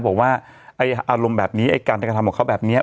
บอกว่าอารมณ์แบบนี้การทำกับเขาแบบนี้